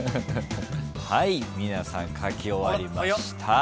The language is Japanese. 皆さん書き終わりました。